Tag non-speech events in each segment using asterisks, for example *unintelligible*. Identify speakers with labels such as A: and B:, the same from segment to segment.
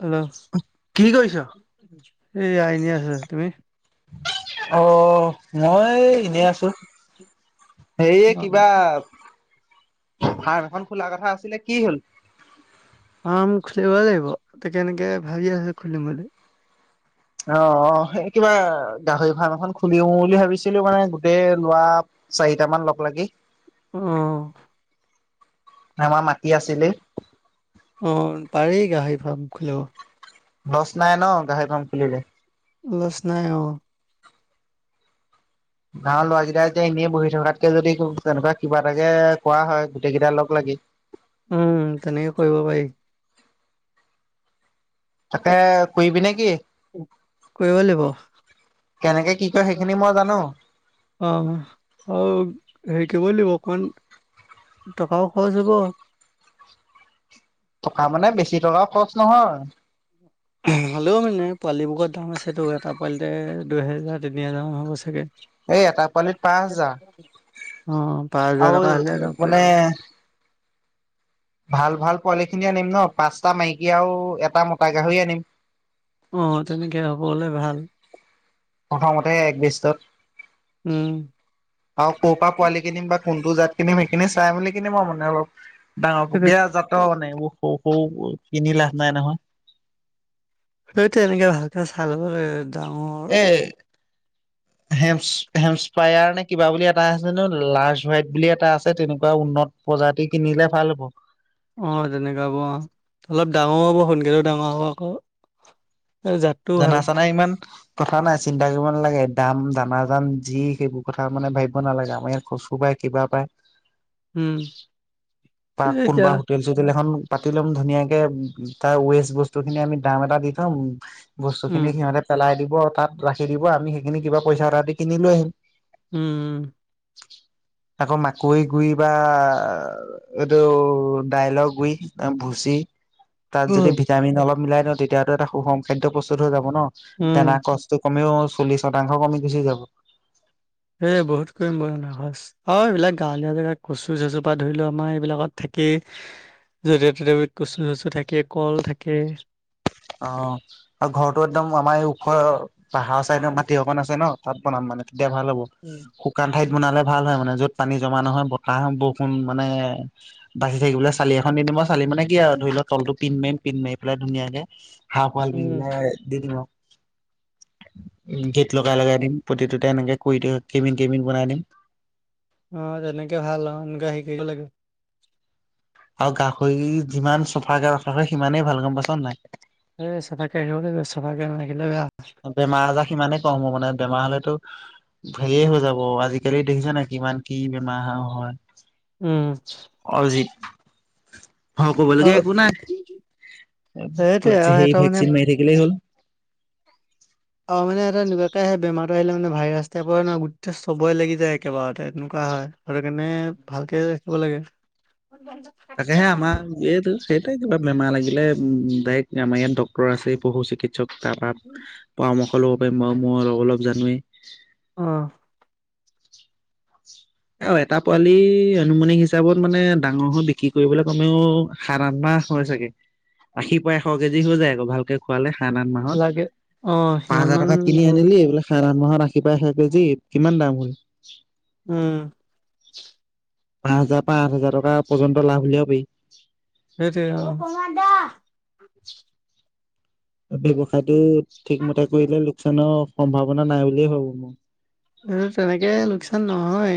A: Hello.
B: কি কৰিছ?
A: এইয়া এনে আছা, তুমি?
B: অ' মই এনে আছোঁ। হেই কিবা ফাৰ্ম এখন খোলাৰ কথা আছিলে কি হ'ল?
A: ফাৰ্ম খুলিব লাগিব, ত' কেনেকে ভাবি আছোঁ খুলিম বুলি।
B: অ', অ' সেই কিবা গাহৰি ফাৰ্ম এখন খুলিও বুলি ভাবিছিলোঁ মানে গোটেই লোৱা চাৰিট মান লগ লাগি।
A: উ
B: আমাৰ মাটি আছিলেই।
A: অ পাৰি গাহৰি, ফাৰ্ম খুলিব
B: লছ নাই ন গাহৰি, ফ্ৰম খুলিলে।
A: লচ নাই অ
B: গাঁৱৰ লৰাৰাকেইটাই এতিয়া এনেই বহি থকাতকে যদি তেনেকুৱা কিবা এটাাকে কোৱা হয়। গোটেই কেইটটা লগ লাগি
A: উম তেনেকে কৰিব পাৰি
B: তাকে কিবি নে কি?
A: কৰিব লাগিব।
B: কেনেকে কি কয় সেইখিনি মই জানো।
A: অ আৰু হেৰি কৰিব লাগিব অকণমান টকাও খৰচ হ'ব।
B: টকা মানে বেছি টকাও খৰচ নহয়।
A: হাললেও মানে পোৱালিবোৰত দাম আছেতো এটা পোৱালিতে দুহেজাৰ তিনি হেজাৰ মান হ'ব চাগে।
B: এই এটা পোৱালিত পাঁচ হাজাৰ-
A: অ পাঁচ
B: আৰু
A: হাজাৰকা হলে ল'ব পাৰিম।
B: মানে ভাল ভাল পোৱালিখিনি আনিম ন পাঁচটা মাইকী আৰু এটা মোটা গাহৰি আনিম।
A: অ তেনেকে হবলে ভাল।
B: প্ৰথমতে এক বষ্টত
A: উম।
B: আৰু ক' পৰা পোৱালি কিনিম বা কোনটো জাত কিনিম সেইখিনি চাই মেলি কিনিম আৰু মানে অলপ ডাঙৰ পকীয়া জাতৰ মানে। সৰু সৰু কিনি লাভ নাই নহয়।
A: সটো এনেকে ভালকে চাল ডাঙৰ
B: এই হেম্প হেম্পস্পায়াৰ নে কিবা বুলি এটা আছে নো লাৰ্জ হোৱাইট বুলি এটা আছে তেনেকুৱা উন্নত প্ৰজাতি কিনিলে ভাল হ'ব।
A: অ তেনেকাবোৰ অ অলপ ডাঙৰ হ'ব সোনকালও ডাঙৰ হ'ব আকৌ। এই জাতটোও
B: জানা
A: ভাল
B: ছানা ইমান। কথা নাই চিন্তা কৰিব নালাগে দাম দানাজান যি সেইবোৰ কথা মানে ভাবিব নালাগে আমাৰ ইয়াত কচু পৰাই। কিবা পায়।
A: উম
B: বা
A: এই এতিয়া
B: কোনোবা। তিল চুতিল এখন পাতি লম ধুনীয়াকে তাৰ ৱেচ বস্তু খিনি আমি দাম এটা দি থম
A: উম,
B: বস্তুখিনি সিহঁতে পেলাই দিব তাত ৰাখি দিব আমি সেইখিনি কিবা পইচা তটা দি কিনি লৈ আহিম।
A: উম।
B: আকৌ মাকৈ গুৰি বা। এইটো ডাইল গুৰি ভুচি তাত যদি।
A: উম,
B: যেতিয়া আমি অলপ মিলাই দিওঁ তেতিয়াতো এটা সুষম খাদ্য প্ৰস্তুত হৈ যাব ন'
A: উম,
B: দানা কচ। টো কমেও চল্লিচ শতাংশ কমি গুচি যাব।
A: এ বহুত কৰিম ম‌ই *unintelligible* অ' এইবিলাক গাঁৱলীয়া জেগা কচু চচুৰ পৰা ধৰিলও আমাৰ এইবিলাকত থাকেই। যতে ততে কচু থচু থাকে কল থাকে।
B: অ আৰু ঘৰৰতো একদম আমাৰ এই ওখৰ পাহাৰৰ চাইডৰ মাটি অকন আছে ন তাত বনাম মানে তেতিয়া ভাল হ'ব।
A: উম
B: শুকান ঠাইত বনালে ভাল হয় মানে য'ত পানী জমা নহয় বতাহ বৰষুণ মানে। বাচি থাকিবলৈ চালি এখন দি দিম বাৰু, চালি মান কি আৰু ধৰি লও তলটো পিনমাৰিম পিনমাৰি পেলাই ধুনীয়াকে। হাফাৱাল
A: উম
B: মিলে দি দিলো আৰু গেট লগাই লগাই দিম প্ৰতিটোতে এনেকে কৰিদৰ কেবিন কেবিন বনাই দিম।
A: অহ, তেনেকে ভাল অহ' তেনেকুৱা শিকিব লাগিব।
B: আৰু গাহৰি যিমান চফাকে ৰখা হয় সিমানেই ভাল গম পাইছানে নাই।
A: এ চফাকে ৰাখিব লাগিব, চফাকে নাৰাখিলে বেয়া হ'ব।
B: বেমাৰ আজাৰ সিমানে কম হ'ব, মানে বেমাৰ হ'লেতো হেৰিয়ে হৈ যাব আজিকালি দেখিছেনে, কিমান কি বেমাৰ হয়।
A: উম।
B: অজিত। অহ', ক'বলগীয়া
A: আৰু
B: একো নাই,
A: সেইটোৱে আৰু
B: হেৰি
A: সিহঁতৰ মানে
B: ভেকচিন মাৰি থাকিলেই হ'ল।
A: অহ, মানে এটা এনেকুৱাকে আহে বেমাৰটো আহিলে মানে ভাইৰাছ টাইপৰ ন' গোটেই চবৰে লাগি যায় একেবাৰেতে এনেকুৱা হয়। তাৰকাৰণে ভালকে ৰাখিব লাগে।
B: তাকেহে আমাৰ এইটো সেই তে' কিবা বেমাৰ লাগিলে, ডাইৰেক্ট আমাৰ ইয়াত ডক্তৰ আছে এই পশু চিকিৎ চিকিৎসক তাৰপৰা পৰামৰ্শ ল'ব পাৰিম, মই-মই অলপ অলপ জানোৱেই।
A: অহ।
B: অহ, এটা পোৱালি আনুমানিক হিচাপত মানে ডাঙৰ হৈ বিক্ৰী কৰিবলৈ কমেও সাত আঠ মাহ হৈ চাগে, আশীৰ পৰা এশ কেজি হৈ যায় আকৌ ভালকে। খোৱালে সাত‌ আঠ মাহত,
A: লাগে অ
B: পাঁচ
A: সিমান
B: হাজাৰ
A: মান
B: টকাত কিনি আনিলি এইবিলাক সাত আঠ মাহত আশিৰ পৰা এশ কেজি কিমান দাম হ'ল।
A: উম।
B: পাঁচ হাজাৰ পা‌ৰা আঠ হাজাৰ টকা পৰ্যন্ত লাভ উলিয়াব পাৰি।
A: সেইটোৱে আৰু। অহ, প্ৰনব দা।
B: ব্যৱসায়টো ঠিকমতে কৰিলে লোকচানৰ সম্ভাৱনা নাই বুলিয়ে ভাবোঁ।
A: এ তেনেকে লোকচান নহয়।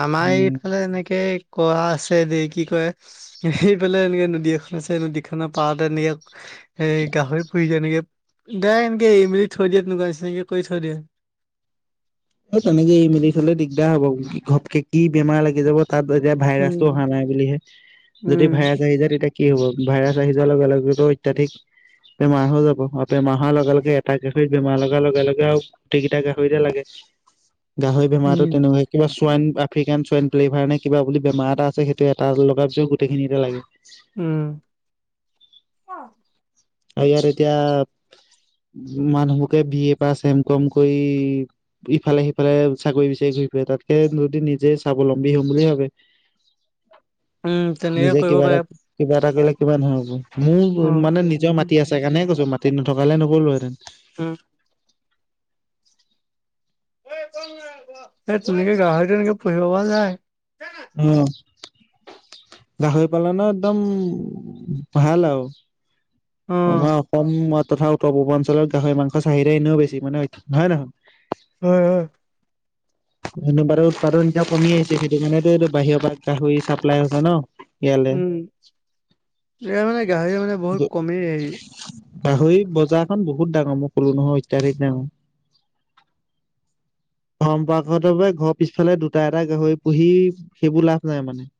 A: আমাৰ
B: উম
A: এইফালে এনেকে কোৱা আছে দে, কি কয় এইফালে এনেকে নদী এখন পিছে নদীখনৰ পাৰ এনেকে ইয়াত এ গাহৰি পুৰিছে নেকি ইয়াত। দে এনকে এৰি মেলি থৈ দিয় *unintelligible* তেনেকুৱা হৈছে *unintelligible* কৰি থৈ দে।
B: অহ, তেনেকে এৰি মেলি থলে দিগদাৰ হ'ব, ঘপকে কি বেমাৰ লাগি যাব। তাত এতিয়া
A: উম
B: ভাইৰাছটো অহা নাই বুলিহে, যদি
A: উম
B: ভাইৰাছ আহি যায় তেতিয়া কি হ'ব? ভাইৰাছ আহি যোৱাৰ লগে লগেতো অত্যাধিক বেমাৰ হৈ যাব আৰু বেমাৰ হোৱাৰ লগে লগে এটা গাহৰিত বেমাৰ লগাৰ লগে লগে আৰু গোটেইকেইটা গাহৰিতে লাগে, গাহৰি বেমাৰতো
A: উম
B: তেনেকুৱা কিবা চোৱাইন আফ্ৰিকান ছোৱাইন ফ্লেভাৰ নে, কিবা বুলি বেমাৰ এ আছে, সেইটো এটা লগাৰ পিছত গোটেইখিনিতে লাগে।
A: উম।
B: আৰু ইয়াত এতিয়া, মানুহবোকে বি এ পাছ এম কম কৰি ইফালে সিফালে চাকৰি বিচাৰি ঘূৰি ফুৰে তাতকে যদি নিজে স্বাৱলম্বী হ'ম বুলি ভাবে।
A: উম তেনেকে
B: নিজে
A: কৰিব
B: কিবা
A: পাৰে
B: এটা কিবা এটা কৰিলে কিবা নো হ'ব।
A: অ
B: মোৰ
A: উম,
B: মানে নিজৰ মাটি আছে কাৰণে কৈছোঁ মা মাটি নথকা হ'লে নগলো হেতেন।
A: উম। এ। *unintelligible* এ তেনেকে গাহৰিতো এনেকে পুহিব পৰা যায়।
B: উম, গাহৰি পালন ন' একদম ভাল আৰু।
A: অ',
B: আমাৰ অসম তথা উত্তৰ পূৰ্বাঞ্চলৰ গাহৰি মাংস চাহিদা এনেও বেছি মানে। *unintelligible*
A: হয়, হয়!
B: *unintelligible* উৎপাদন এতিয়া কমি আহিছে সেইটো কাৰণেতো এতিয়া বাহিৰৰ পৰা গাহৰি ছাপ্লাই আহা হৈছে ন'। ইয়ালে।
A: উম, এয়া মানে গাহৰি মানে বহুত কমেই।
B: গাহৰি বজাৰখন বহুত ডাঙৰ মই কলো নহয় অত্যাধিক ডাঙৰ! পৰম্পৰাগত ভাবে ঘৰ পিছফালে দুটা এটা গাহৰি পুহি, সেইবোৰ লাভ নাই মানে।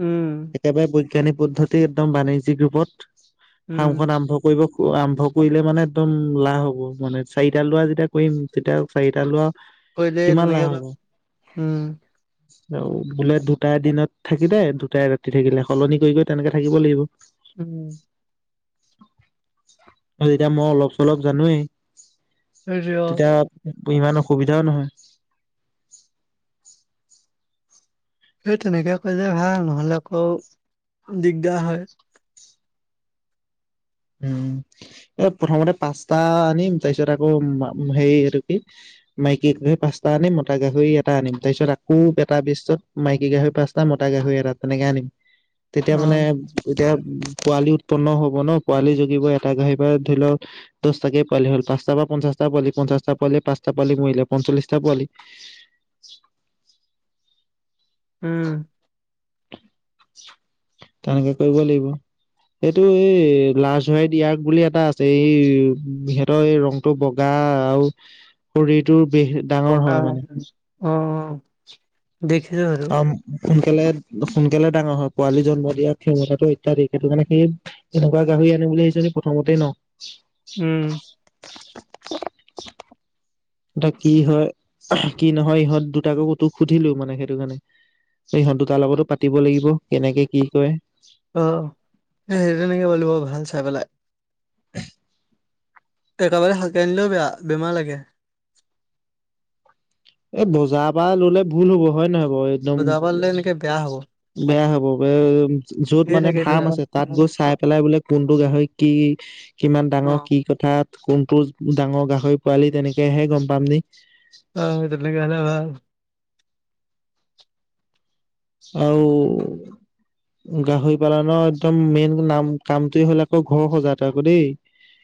A: উম।
B: একেবাৰে বৈজ্ঞানিক পদ্ধতি একদম বাণিজ্যিক ৰূপত
A: উম,
B: ফাৰ্মখন আৰম্ভ কৰিব - আৰম্ভ কৰিলে মানে একদম লাভ হ'ব মানে চাৰিটা লোৱা যেতিয়া কৰিম, তেতিয়া চাৰিটা লোৱা-
A: কৰিলে
B: কিমান
A: তেনেকে
B: লাভ হ'ব?
A: উম,
B: অ' বোলে দুটাই দিনত থাকিলে, দুটাই ৰাতি থাকিলে সলনি কৰি, কৰি তেনেকে থাকিব লাগিব!
A: উম।
B: যেতিয়া মই অলপ চলপ জানোয়েই
A: সেইটোৱে অ'।
B: তেতিয়া ইমান অসুবিধাও নহয়!
A: সেই তেনেকে কৰিলে ভাল। নহলে আকৌ দিগদাৰ হয়।
B: উম, এ প্ৰথমতে পাঁচটা আনিম। তাৰপিছত আকৌ হেই এইটো কি - মাইকী পোৱালি পাঁছটা আনিম। মতা গাহৰি এট - এটা আনিম তাৰ পিছত আকৌ এটা বেষ্টত মাইকী গাহৰি পাঁচটা, মতা গাহৰি এটা তেনেকে আনিম। তেতিয়া মানে
A: অ',
B: এতিয়া পোৱালি উৎপন্ন হব ন পোৱালি জগিব এটা গাহৰি পৰা ধৰি লওক - দচ টাকে পোৱালি হ'ল, পাঁচটা বা পঞ্চাছটা পোৱালি, পঞ্চাশটা পোৱালি পাঁচটা পোৱালি ময়িলে, পঞ্চলিশটা পোৱালি-
A: উম।
B: তেনেকে কৰিব লাগিব। এইটো এই লাজ হোৱই দিয়াগ বুলি এটা আছে এই উ সিহঁতৰ এই ৰং - টো বগা আৰু শৰীৰটোৰ বেহ- ডাঙৰ
A: বগা
B: হয় মানে
A: অ অ দেখিছোঁ সেইটো।
B: সোনকালে সোনকালে ডাঙৰ হয়, পোৱালি জন্ম দিয়া ক্ষমতাটো অত্যাধিক সেইটো কাৰণে সেই - এনেকুৱা গাহৰি আনিম বুলি ভাবিছ যে প্ৰথমতে ন।
A: উম।
B: এতিয়া কি হয় কি নহয় ইহঁত দুটাকো কতো সুধিলো মানে সেইটো কাৰণে। ইহত দুটাৰ লগতো পাতিব লাগিব কেনেকে কি কৰে।
A: অ, সেই তেনেকে কৰিব লাগিব ভাল চাই পেলাই।
B: *unintelligible*
A: একেবাৰে সহকে আনিলেও বেয়া বেমাৰ লাগে।
B: এই বজাৰ পৰা ললে ভুল হ'ব হয় নহয় বাও?
A: বজাৰ পা ল'লে এনেকে বেয়া হব।
B: বেয়া হ'ব ব য'ত
A: ধেৰ
B: মানে
A: থাকে এইটো
B: ফাৰ্ম আছে তাত গৈ চাই পেলাই বোলে কোনটো গাহৰি কি? কিমান ডাঙৰ
A: অ'।
B: কি কথাত কোনটো ডাঙৰ গাহৰি পোৱালি তেনেকে হে গম পাম নে?
A: অ তেনেকে হ'লে ভাল।
B: আও - গাহৰি পালনৰ একদম মেইন নাম কামটোৱে হ'লে আকৌ ঘৰ সজাটো আকৌ দেই।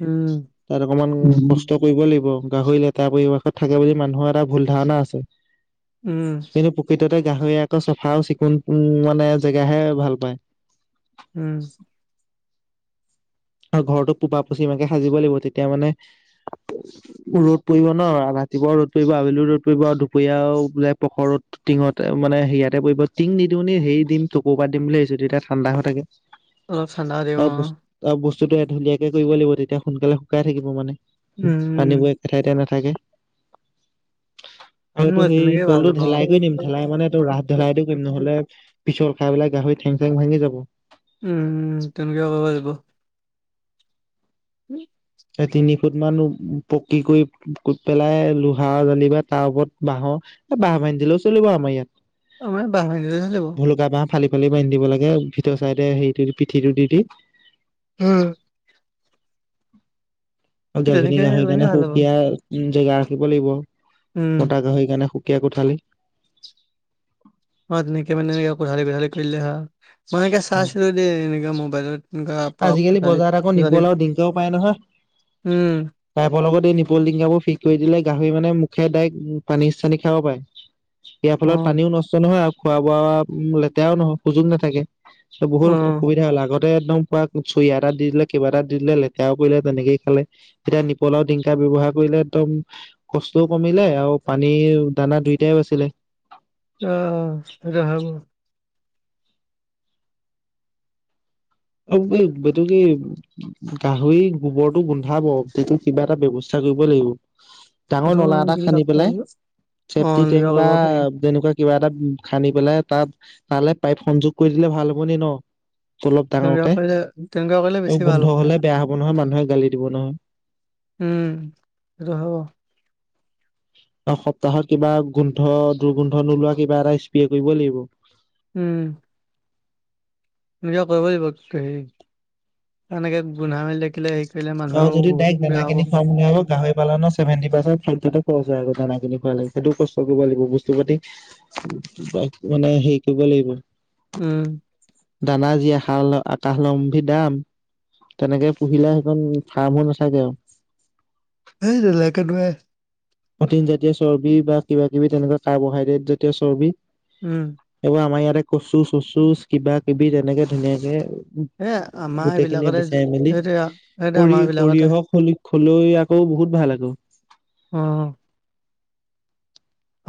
A: উম
B: তাত অকমান কষ্ট - কৰিব লাগিব গাহৰি লেটাৰ পৰিৱেশত থাকে বুলি মানুহৰ এটা ভুল ধাৰণা আছে।
A: উম
B: কিন্তু প্ৰকৃততে গাহৰি আক চফা আও চিকুণ মানে জেগাহে ভাল পায়।
A: উম।
B: আৰু ঘৰতো পুৰ্বা পশ্চিম কৈ এনেকৈ সাজিব লাগিব তেতিয়া মানে - ৰ'দ পৰিব ন ৰাতিপুৱাও ৰ'দ পৰিব আবেলি ৰ'দ পৰিব আৰু দুপৰীয়াও বোলে পখৰ ৰ'দ। টিঙত মানে হেইয়াতে পৰিব টিং নিদিওঁ নি হেৰি দিম টকুৰৰ পাত দিম ভাবিছো তেতিয়া ঠাণ্ডা হৈ থাকে। *unintelligible*
A: অলপ ঠাণ্ডা হৈ থাকিব অ।
B: অ বস্তুটো এ ধুনীয়াকে কৰিব লাগিব তেতিয়া সোনকালে শুকাই থাকিব মানে।
A: উম
B: পানীবোৰ একে ঠাইতে নাথাকে আৰু এইটো
A: মই
B: সেই
A: তেনেকে ভাল
B: তলতো
A: পাওঁ
B: ঢেলাই কৰি দিম ঢেলাই মানে এইটো ৰাস ঢেলাইটো কৰিম নহলে পিছল খাই পেলাই গাহৰি ঠেং চেং ভাগি যাব
A: উম, উম তেনেকে কৰিব দিব উ
B: সেই তিনি ফুট মান পকি কৰি পেলাই লোহাৰ জালি বা তাৰ ওপৰত বাঁহৰ এ বাঁহ বান্ধি দিলেও চলিব আমাৰ ইয়াত
A: অ মানে বাঁহ বান্ধি দিলে হৈ যাব
B: ভুলুকা বাঁহ ফালি ফালি বান্ধি দিব লাগে ভিতৰ চাইডে হেৰিটো পিঠিটো দি দি
A: উম
B: অ গাভিন
A: তেনেকে
B: গাহৰি
A: কৰিলে
B: কাৰণে
A: ভাল হ'ব
B: সুকীয়া উম জেগা ৰাখিব লাগিব
A: উম
B: মতা গাহৰি কাৰণে সুকীয়া কোঠালি
A: অ তেনেকে মানে এনে কোথালি কোথালি কৰি দিলে আও মই এনেকে চাইছিলো দেই এনেকোৱা মোবাইলত এনেকা পোৱা
B: আজি কালি
A: কোঠালি
B: বজাৰত আকৌ
A: কোঠালি
B: নিপলাও ডিংকও পায় নহয়
A: উম
B: পাইপৰ লগত এই নিপল টিংকাবোৰ ফিক্স কৰি দিলে গাহৰি মানে মুখে ডাইৰেক্ট পানী চানী খাব পাৰে ইয়াৰ
A: অ
B: ফলত পানীও নষ্ট নহয় আৰু খোৱা বোৱা লেতেৰাও নহয় সুযোগ নাথাকে ত
A: অ
B: বহুত সুবিধা হল আগতে একদম বা চৰিয়া এটা দি দিলে কিবা এটাত দি দিলে লেতেৰাও কৰিলে তেনেকেই খালে তেতিয়া নিপলাও টিংকা ব্যৱহাৰ কৰিলে একদম কষ্টও কমিলে আৰু পানীৰ দানা দুইটাইও বাছিলে
A: অ সেইটো হয় বাও
B: অ উ সেটো কি গাহৰি গোবৰটো গোন্ধাব সেইটো কিবা এটা ব্যৱস্থা কৰিব লাগিব ডাঙৰ
A: সেইটো
B: নলা এটা খান্দি পেলাই
A: অ
B: চেফটি টেংক
A: এনেকুৱা
B: বা
A: কৰিব পাৰি
B: তেনেকোৱা কিবা এটা খান্দি পেলাই তাত তালৈ পাইপ সংযোগ কৰি দিলে ভাল হ'ব নি ন অলপ
A: তেনেকুৱা
B: ডাঙৰকে
A: কৰিলে তেনেকুৱা কৰিলে
B: আৰু
A: বেছি ভাল
B: গোন্ধ হলে বেয়া হব নহয় মানুহে গালি দিব নহয়
A: উম সেইটো হয় বাও
B: অ সপ্তাহত কিবা গোন্ধ দুৰ্গোন্ধ নোলোৱা কিবা এটা স্প্ৰে কৰিব লাগিব
A: উম এনেকা কৰিবই লাগিব সে এনেকে গুন্ধা মেলি থাকিলে সেই
B: আও যদি ডাইৰেক্ট দানাখিনি খুৱাব নোৱাৰো গাহৰি পালনত চেভেণ্টি পাৰ্চেণ্ট ফিফটিটো খৰচ হয় আও দানা কিনি খুৱালে সেইটো কষ্ট কৰিব লাগিব বস্তু পাতি কিবা এটা মানে হেৰি কৰিব লাগিব
A: উম
B: দানা যি হাল আকাশলম্ভী দাম তেনেকে পুহিলে সেইখন ফাৰ্মো নাথাকে আও
A: এই তেনেকে নোৱাৰে
B: প্ৰটিন জাতীয় চৰ্বি বা কিবা কিবি তেনেকোৱা কাৰ্বহাইড্ৰেট জাতীয় চৰ্বি
A: উম
B: এইবোৰ আমাৰ ইয়াতে কচু চচু কিবা কিবি তেনেকে
A: এ
B: ধুনীয়াকে
A: আমাৰ
B: গোটেইখিনিয়ে
A: এইবিলাকতে
B: বিচাৰি মেলি
A: সেইটোৱে আও, সেইটোৱে
B: সৰি
A: আমাৰ বিলাকতে
B: সৰিয়হওক হলো খলিয়ই আকৌ বহত ভাল আকৌ
A: অ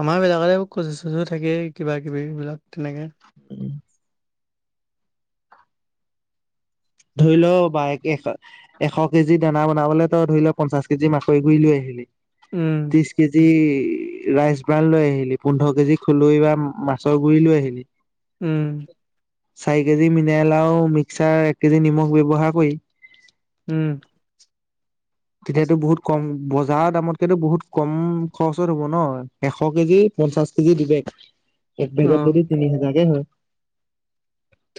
A: আমাৰ বিলাকতে কচু চচু থাকে কিবা কিবি এইবিলাক তেনেকে
B: উম ধৰি লও বা এককে এশ কেজি দানা বনাবলৈ তই ধৰি লও পঞ্চাশ কেজি মাকৈ গুৰি লৈ আহিলি
A: উম
B: ত্ৰিশ কেজি ৰাইচ বাল লৈ আহিলি পোন্ধৰ কেজি খলৈ বা মাছৰ গুৰি লৈ আহিলি উ
A: উম
B: চাৰি কেজি মিনে লাও মিক্সাৰ এক কেজি নিমখ ব্যৱহাৰ কৰিছে
A: উম
B: তেতিয়াতো বহুত কম বজাৰৰ দামতকেতো বহুত কম খৰচত হব ন এশ কেজি পঞ্চাশ কেজি দুবেগ এক
A: অ
B: বেগত যদি তিনি হেজাৰকে হয়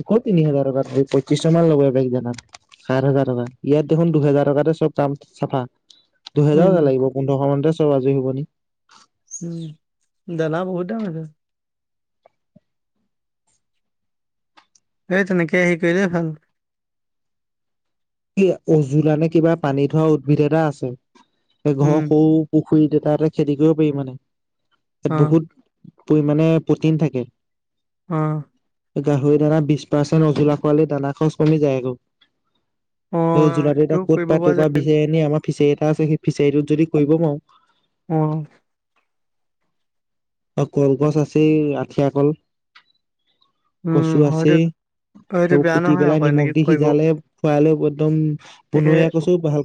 B: ক তিনি হাজাৰ পঁচিছশ মান লগ বেগ জন সাত হাজাৰ টকা ইয়াত দেখোন দুহেজাৰ টকাতে চব চাফা
A: উম
B: দুহেজাৰকে লাগিব পোন্ধৰশ মানতে চব আজৰি হুবনি
A: উম দনা বহুত যামছে এই তেনেকে হি কৰিলেই ভাল
B: কি উজোলা নে কিবা পানী থোৱা উদ্ভিদ এটা আছে এই ঘৰ
A: উম
B: সৌ পুখুৰী দু ত এটা খেতি কৰিব পাৰিম মানে ইয়াত
A: অ
B: বহুত পৰিাণে প্ৰটিন থাকে
A: অ
B: গাহৰি দানা বিশ পাৰ্চেণ্ট অজলা পোৱালিৰ দানা খৰচ কমি যায় আকৌ
A: অ
B: *unintelligible* জোলাটো এটা
A: সেইটোও
B: কত
A: কৰিব
B: প
A: পৰা
B: তোপ
A: যায়
B: বিচি আমাৰ ফিচাৰী এটা আছে সেই ফিচাৰী টোত যদি কৰিব পাৰো
A: অ
B: অ কলগছ আছে আঠিয়া কল
A: উম,
B: কচু
A: হয়তো
B: আছেই
A: হয়তো
B: সেইব
A: বেয়া
B: কুটি
A: নহয়
B: পেলাই
A: আকৌ
B: নিমখ
A: এনেকে
B: দি
A: কৰিব
B: সিজালে খুৱাই লৈ একদম
A: তাকে
B: বনৰীয়া কছো ভাল